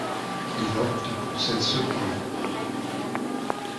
Il opte pour cette seconde voix.